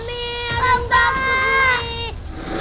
mi ada yang takut nih